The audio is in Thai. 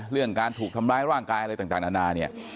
เรื่องการถูกทำร้ายร่างกายอะไรต่างนานาเนี่ย